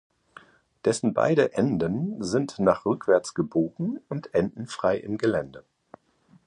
Dessen beide Enden sind nach rückwärts gebogen und enden frei im Gelände.